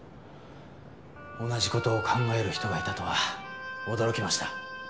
同じ事を考える人がいたとは驚きました。